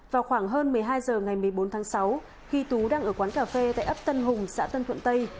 vào khoảng hơn một mươi hai h ngày một mươi bốn tháng sáu khi tú đang ở quán cà phê tại ấp tân hùng xã tân thuận tây